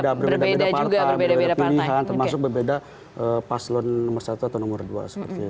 dan berbeda juga berbeda pilihan termasuk berbeda paslon nomor satu atau nomor dua